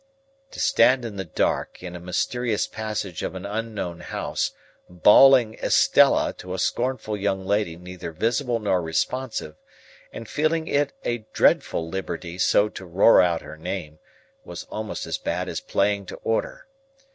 To stand in the dark in a mysterious passage of an unknown house, bawling Estella to a scornful young lady neither visible nor responsive, and feeling it a dreadful liberty so to roar out her name, was almost as bad as playing to order.